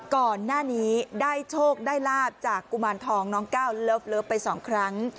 ก่อนหน้านี้ได้โชคได้ลาบจากกุมารทองน้องก้าวเลิฟไปสองครั้ง